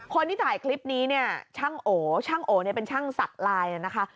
คนที่ถ่ายคลิปนี้ช่างโอช่างโอเป็นช่างสัตว์ลายน่ะนะคะ